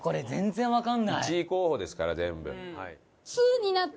１位候補ですから全部。